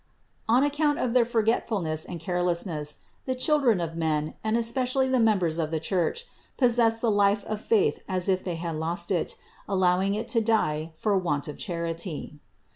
On account of their forgetfulness and carelessness, the chil dren of men, and especially the members of the Church, possess the life of faith as if they had lost it, allowing it to die for want of charity.